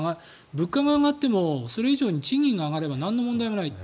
物価が上がってもそれ以上に賃金が上がればなんの問題もない。